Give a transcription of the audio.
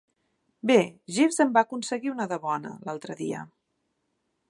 Bé, Jeeves en va aconseguir una de bona, l'altre dia.